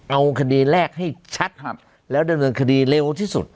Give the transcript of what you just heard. เอาคดีแรกให้ชัดครับแล้วจะเป็นคดีเร็วที่สุด